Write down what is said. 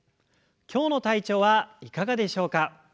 今日の体調はいかがでしょうか？